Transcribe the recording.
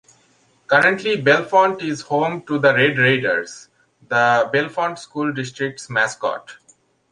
Currently Bellefonte is home to the Red Raiders, the Bellefonte School District's mascot.